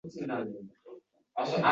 Saas qutili dasturdan afzal